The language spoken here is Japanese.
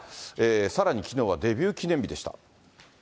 さらにきのうはデビュー記念日でした。